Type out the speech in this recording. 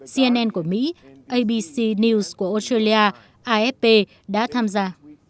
cnn của mỹ abc news của australia afp đã tham gia